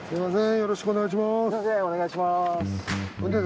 よろしくお願いします。